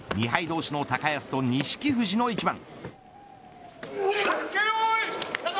同士の高安と錦富士の一番。